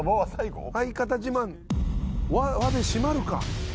相方自慢「わ」で締まるか？